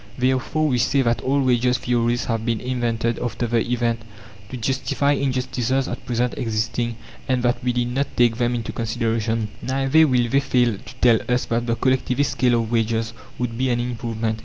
Therefore, we say that all wages' theories have been invented after the event to justify injustices at present existing, and that we need not take them into consideration. Neither will they fail to tell us that the Collectivist scale of wages would be an improvement.